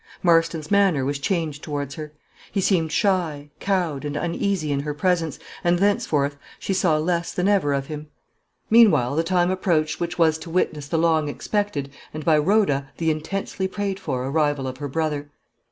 Marston's manner was changed towards her; he seemed shy, cowed, and uneasy in her presence, and thenceforth she saw less than ever of him. Meanwhile the time approached which was to witness the long expected, and, by Rhoda, the intensely prayed for arrival of her brother.